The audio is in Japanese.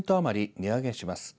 値上げします。